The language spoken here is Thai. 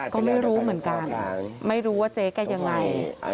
ก็ไม่รู้เหมือนกันไม่รู้ว่าเจ๊แกยังไง